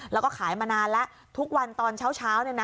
แล้วก็ขายมานานละทุกวันตอนเช้าเช้าเนี้ยนะ